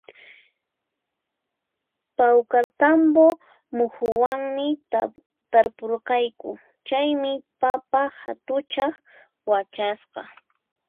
Pawkartambo muhuwanmi tarpurqayku, chaymi papa hatuchaqta wachasqa